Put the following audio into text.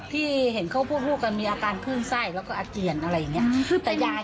ที่เห็นเขาพูดพูดก็มีอาการพึ่งไส้แล้วก็อาเจียนอะไรอย่างเนี่ย